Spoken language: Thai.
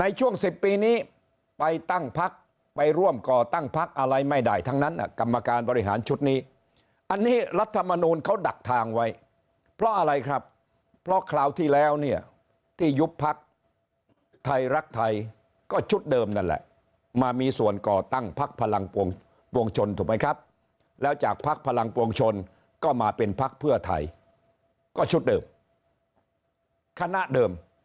ในช่วง๑๐ปีนี้ไปตั้งพักไปร่วมก่อตั้งพักอะไรไม่ได้ทั้งนั้นกรรมการบริหารชุดนี้อันนี้รัฐมนูลเขาดักทางไว้เพราะอะไรครับเพราะคราวที่แล้วเนี่ยที่ยุบพักไทยรักไทยก็ชุดเดิมนั่นแหละมามีส่วนก่อตั้งพักพลังปวงชนถูกไหมครับแล้วจากพักพลังปวงชนก็มาเป็นพักเพื่อไทยก็ชุดเดิมคณะเดิม